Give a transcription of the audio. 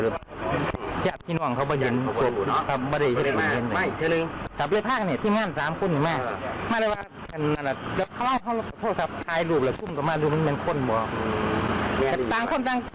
ซุกกระจายพวกนั้นให้เราทำเรื่องของอาณาจริง